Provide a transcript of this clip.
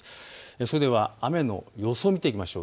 それでは雨の予想を見ていきましょう。